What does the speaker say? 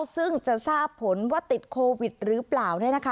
ซึ่งจะทราบผลว่าติดโควิดหรือเปล่า